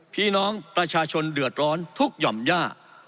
พี่น้องประชาชนเดือดร้อนทุกหย่อมย่า